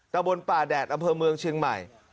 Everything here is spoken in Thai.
ตะบนป่าแดดอำเภอเมืองเชียงใหม่